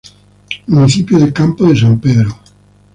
Municipio de Campo de San Pedro.